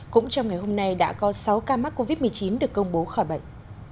cũng trong ngày hôm nay đã có sáu ca mắc covid một mươi chín được công bố khỏi bệnh